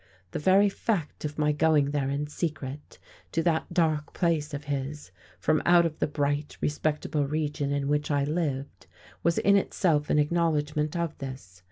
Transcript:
The very fact of my going there in secret to that dark place of his from out of the bright, respectable region in which I lived was in itself an acknowledgment of this.